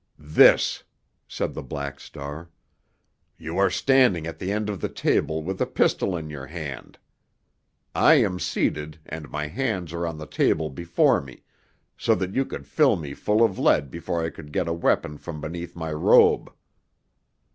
"This," said the Black Star. "You are standing at the end of the table with a pistol in your hand. I am seated, and my hands are on the table before me, so that you could fill me full of lead before I could get a weapon from beneath my robe.